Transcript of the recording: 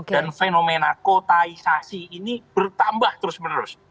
dan fenomena kotaisasi ini bertambah terus menerus